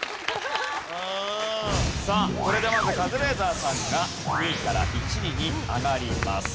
さあこれでまずカズレーザーさんが２位から１位に上がります。